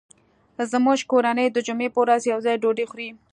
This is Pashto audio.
زموږ کورنۍ د جمعې په ورځ یو ځای ډوډۍ خوري